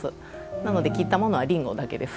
なので、切ったものはりんごだけです。